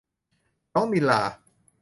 น้องณิลลา